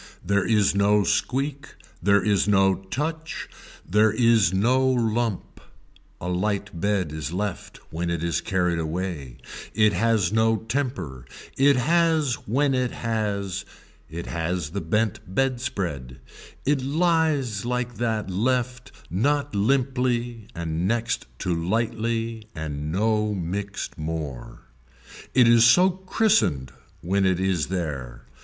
There is no squeak, there is no touch there is no lump, a light bed is left when it is carried away, it has no temper, it has when it has, it has the bent bedspread, it lies like that left not limply and next to lightly and no mixed more. It is so christened when it is there.